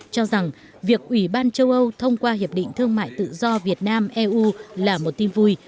cho rằng việc ủy ban châu âu thông qua hiệp định thương mại tự do việt nam eu là một tin vui